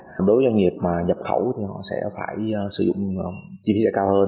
đối với doanh nghiệp mà nhập khẩu thì họ sẽ phải sử dụng chi phí cao hơn